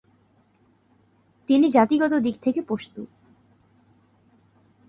তিনি জাতিগত দিক থেকে পশতু।